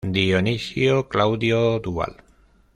Dionisio Claudio Duval.